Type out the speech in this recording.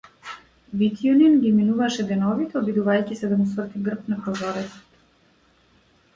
Витјунин ги минуваше деновите обидувајќи се да му сврти грб на прозорецот.